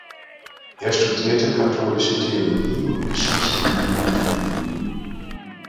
Er studierte Katholische Theologie und Geschichte in Wien und Tübingen.